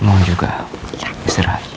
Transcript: mau juga istirahat